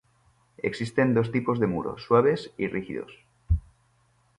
Existen dos tipos de muros; "suaves" y "rígidos".